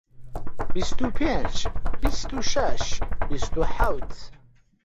بیست و پێنج، بیست و شەش، بیست و حەوت